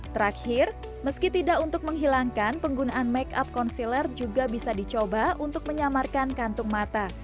terakhir meski tidak untuk menghilangkan penggunaan make up concealer juga bisa dicoba untuk menyamarkan kantung mata